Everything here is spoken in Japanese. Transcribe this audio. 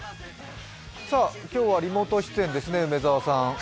今日はリモート出演ですね梅澤さん。